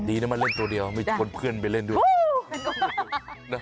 ดีนะมาเล่นตัวเดียวไม่ชวนเพื่อนไปเล่นด้วย